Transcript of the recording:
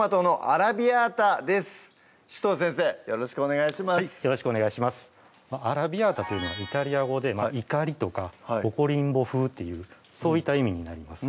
アラビアータというのはイタリア語で「怒り」とか「怒りんぼ風」というそういった意味になります